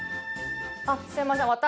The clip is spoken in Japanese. あっすいません。